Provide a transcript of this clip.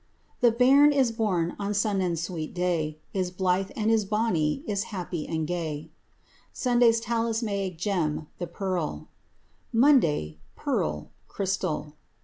The bairn that is born On Sonnan's sweet day Is blithe and is bonnie, Is happy and gay. Sunday's talismanic gem: the pearl. Monday: Pearl—crystal.